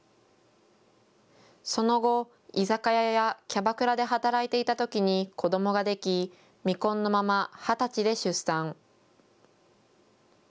その後、居酒屋やキャバクラで働いていたときに子どもができ未婚のまま二十歳で出産。